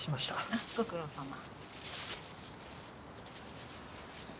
あっご苦労さま。